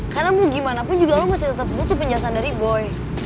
karena mau gimana pun juga lo masih tetep butuh penjelasan dari boy